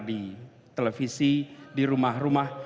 di televisi di rumah rumah